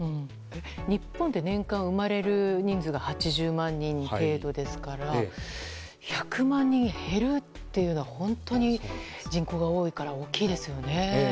日本は年間生まれる人数が８０万人程度ですから１００万人減るというのは本当に人口が多いから大きいですよね。